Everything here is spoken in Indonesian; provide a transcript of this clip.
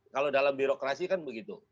kalau dalam birokrasi kan begitu